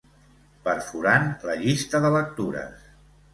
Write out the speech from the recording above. Perforant la llista de lectures.